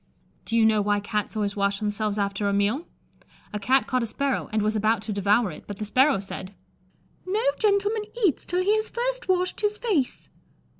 Do you know why Cats always wash themselves after a meal? A Cat caught a sparrow, and was about to devour it, but the sparrow said, "No gentleman eats till he has first washed his face."